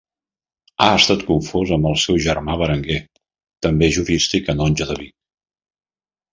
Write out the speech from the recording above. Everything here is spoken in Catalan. Ha estat confós amb un seu germà Berenguer, també jurista i canonge de Vic.